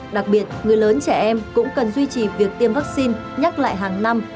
đặc biệt người lớn trẻ em cũng cần duy trì việc tiêm vaccine nhắc lại hàng năm